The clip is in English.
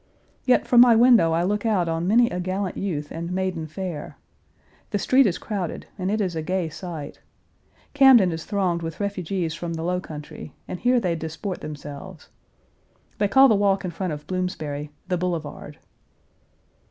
Yet from my window I look out on many a gallant youth and maiden fair. The street is crowded and it is a gay sight. Camden is thronged with refugees from the low country, and here they disport themselves. They call the walk in front of Bloomsbury "the Boulevard."